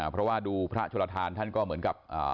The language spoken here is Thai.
เพราะว่าดูพระชลทานท่านก็เหมือนกับ